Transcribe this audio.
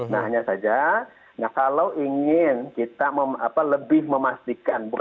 nah hanya saja nah kalau ingin kita lebih memastikan